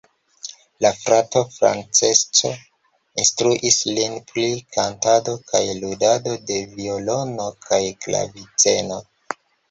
La frato Francesco instruis lin pri kantado kaj ludado de violono kaj klaviceno.